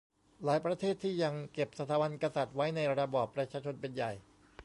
หลายประเทศที่ยังเก็บสถาบันกษัตริย์ไว้ในระบอบประชาชนเป็นใหญ่